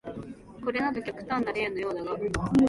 これなど極端な例のようだが、